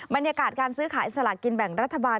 บรรยากาศการซื้อขายสลากินแบ่งรัฐบาล